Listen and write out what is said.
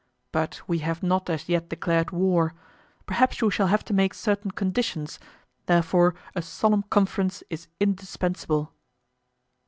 But we have not as yet declared war; perhaps we shall have to make certain conditions, therefore a solemn conference is indispensable."